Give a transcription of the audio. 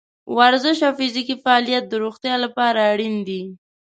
د ورزش او فزیکي فعالیت د روغتیا لپاره اړین دی.